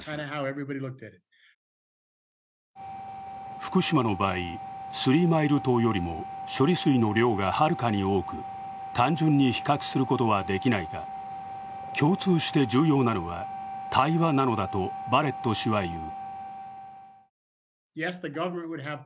福島の場合、スリーマイル島よりも処理水の量がはるかに多く、単純に比較することはできないが、共通して重要なのは対話なのだとバレット氏は言う。